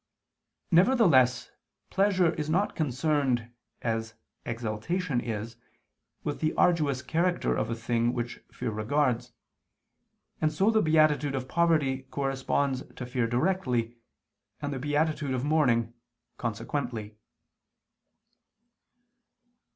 Nevertheless, pleasure is not concerned, as exaltation is, with the arduous character of a thing which fear regards: and so the beatitude of poverty corresponds to fear directly, and the beatitude of mourning, consequently.